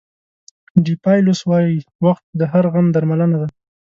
ډیپایلوس وایي وخت د هر غم درملنه ده.